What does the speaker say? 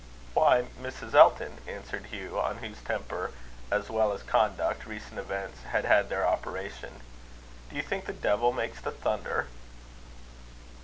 "Why, Mrs. Elton," answered Hugh on whose temper, as well as conduct, recent events had had their operation, "do you think the devil makes the thunder?"